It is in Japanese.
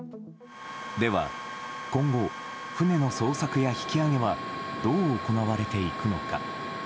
では、今後船の捜索や引き揚げはどう行われていくのか？